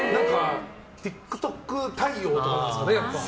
ＴｉｋＴｏｋ対応ってことなんですかね。